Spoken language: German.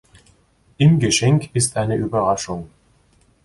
Im Geschenk ist eine Überraschung.